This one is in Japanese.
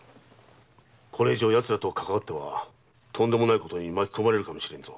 これ以上奴らとかかわってはとんでもないことに巻き込まれるかもしれぬぞ。